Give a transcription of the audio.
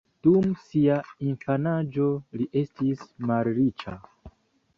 Dum sia infanaĝo, li estis malriĉa.